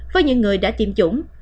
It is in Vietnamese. với những người đã tiêm chủng